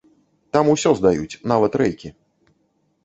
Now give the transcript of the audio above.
Там усё здаюць, нават рэйкі.